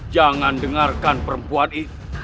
jangan dengarkan perempuan itu